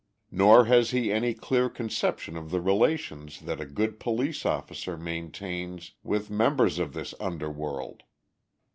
Nor has he any clear conception of the relations that a good police officer maintains with members of this underworld.